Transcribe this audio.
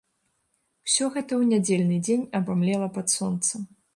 Усё гэта ў нядзельны дзень абамлела пад сонцам.